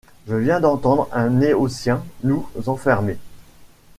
je viens d'entendre un Noétien nous enfermer.